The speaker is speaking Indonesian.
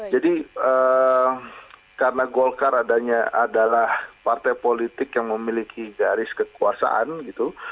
jadi karena golkar adanya adalah partai politik yang memiliki garis kekuasaan gitu